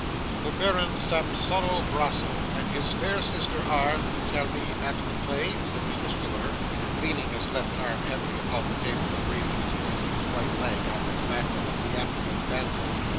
'The Baron Sampsono Brasso and his fair sister are (you tell me) at the Play?' said Mr Swiveller, leaning his left arm heavily upon the table, and raising his voice and his right leg after the manner of a theatrical bandit.